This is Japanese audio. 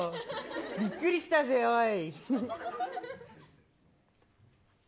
びっくりしたぜ、おい。